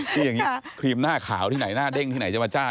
คืออย่างนี้ครีมหน้าขาวที่ไหนหน้าเด้งที่ไหนจะมาจ้า